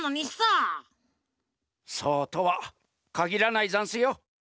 そうとはかぎらないざんすよ。